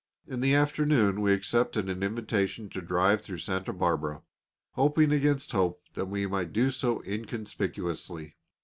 In the afternoon we accepted an invitation to drive through Santa Barbara, hoping against hope that we might do so inconspicuously.